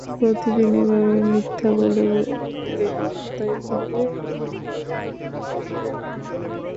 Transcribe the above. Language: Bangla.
প্রতিদিন এভাবে মিথ্যা বলে বেলুন আদায় করবে?